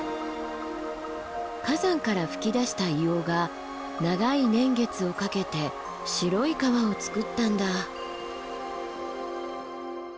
火山から噴き出した硫黄が長い年月をかけて白い川をつくったんだ。